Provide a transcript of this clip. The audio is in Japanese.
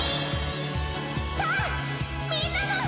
さあみんなも。